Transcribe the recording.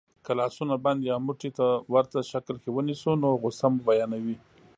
که لاسونه بند یا موټي ته ورته شکل کې ونیسئ نو غسه مو بیانوي.